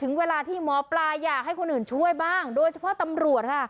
เวลาที่หมอปลาอยากให้คนอื่นช่วยบ้างโดยเฉพาะตำรวจค่ะ